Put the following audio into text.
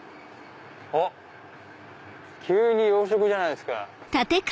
おっ急に洋食じゃないですか。